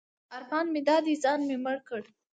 ارمان مې دا دی ځان مې مړ کړ.